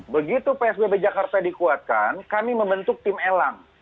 begitu psbb jakarta dikuatkan kami membentuk tim elang